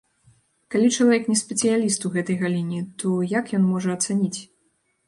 Калі чалавек не спецыяліст у гэтай галіне, то як ён можа ацаніць?